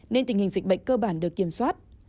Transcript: nên tình hình dịch bệnh cơ bản được kiểm soát